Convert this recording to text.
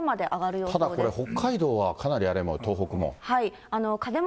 ただこれ、北海道はかなり荒れもよう、東北も。